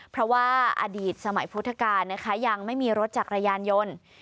เพราะว่าอดีตสมัยพุทธกาลนะคะยังไม่มีรถจักรยานยนต์